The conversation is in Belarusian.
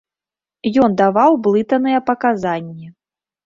Ён даваў блытаныя паказанні.